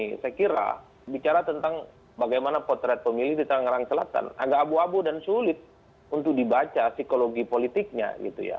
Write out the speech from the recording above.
karena itu saya kira bicara tentang bagaimana potret pemilih di tanggerang selatan agak abu abu dan sulit untuk dibaca psikologi politiknya gitu ya